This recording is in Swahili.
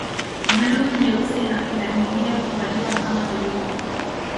Bluu nyeusi na pundamilia huvaliwa kama zilivyo